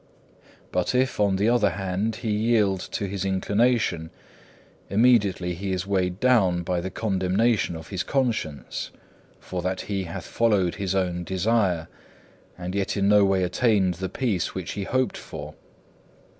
2. But if, on the other hand, he yield to his inclination, immediately he is weighed down by the condemnation of his conscience; for that he hath followed his own desire, and yet in no way attained the peace which he hoped for.